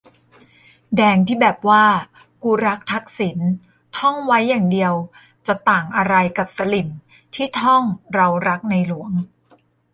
แดงที่แบบว่า "กูรักทักษิณ" ท่องไว้อย่างเดียวจะต่างอะไรกับสลิ่มที่ท่อง "เรารักในหลวง"